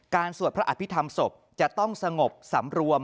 สวดพระอภิษฐรรมศพจะต้องสงบสำรวม